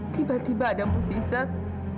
tiba tiba ada musisat